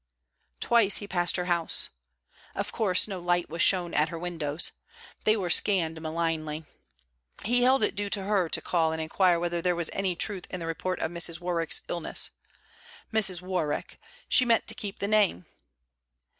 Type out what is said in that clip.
Twice he passed her house. Of course no light was shown at her windows. They were scanned malignly. He held it due to her to call and inquire whether there was any truth in the report of Mrs. Warwick's illness. Mrs. Warwick! She meant to keep the name.